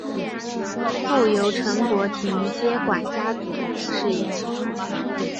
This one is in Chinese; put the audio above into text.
后由陈柏廷接管家族事业。